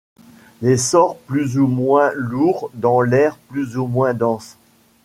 L’essor plus ou moins lourd dans l’air plus ou moins dense